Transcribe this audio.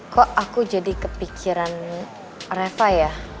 kok aku jadi kepikiran reva ya